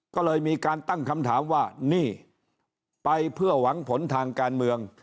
ก็เลยมีการตั้งคำถามว่านี่ไปเพื่อหวังผลทางการเมือง